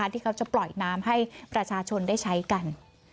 ที่เขาจะปล่อยน้ำให้ประชาชนได้ใช้กัน